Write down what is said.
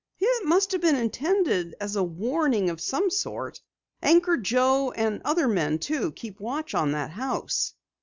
"It must have been intended as a warning of some sort. Anchor Joe, and other men, too, keep watch of the house."